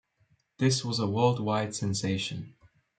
This was a worldwide sensation.